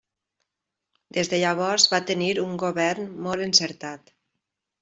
Des de llavors va tenir un govern molt encertat.